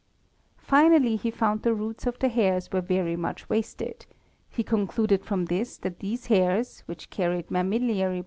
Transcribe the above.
Finally he found the roots of the hairs were very much wasted; he concluded from this that these hairs, which carried mammilliary.